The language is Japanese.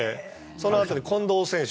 その後に近藤選手